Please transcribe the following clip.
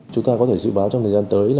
chúng ta có thể dự báo trong thời gian tới